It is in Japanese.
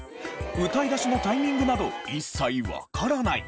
歌い出しのタイミングなど一切わからない。